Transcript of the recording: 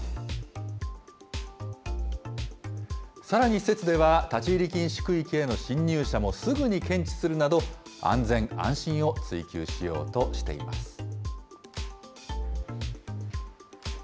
さらに施設では、立ち入り禁止区域への侵入者もすぐに検知するなど、安全安心を追求しようとしています。